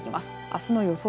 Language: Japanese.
あすの予想